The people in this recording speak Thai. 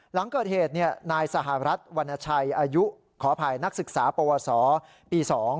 หลังเกิดเหตุนายสหรัฐวรรณชัยอายุขออภัยนักศึกษาปวสปี๒